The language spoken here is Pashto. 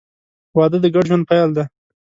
• واده د ګډ ژوند پیل دی.